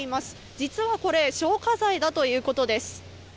実はこれ、消火剤だということです。